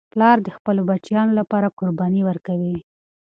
پلار د خپلو بچیانو لپاره قرباني ورکوي.